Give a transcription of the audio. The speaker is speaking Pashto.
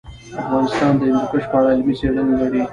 افغانستان د هندوکش په اړه علمي څېړنې لري.